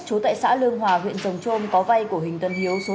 chú tại xã lương hòa huyện rồng trôm có vay của hình tân hiếu số ba